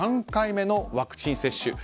３回目のワクチン接種。